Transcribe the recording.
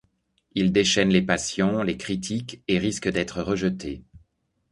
Il déchaîne les passions, les critiques, et risque d'être rejeté.